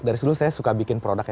dari dulu saya suka bikin produk ya